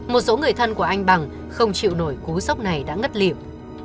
một số người thân của anh bằng không chịu nổi cú sốc này đã ngất liềm